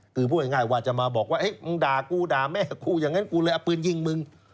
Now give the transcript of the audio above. คือพูดง่ายว่าจะมาบอกว่ามึงด่ากูด่าแม่กูอย่างนั้นกูเลยเอาปืนยิงมึง